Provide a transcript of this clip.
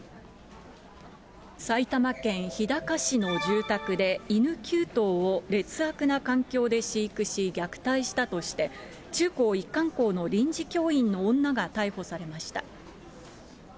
埼玉県日高市の住宅で、犬９頭を劣悪な環境で飼育し、虐待したとして、中高一貫校の臨時教員の女が逮捕されました。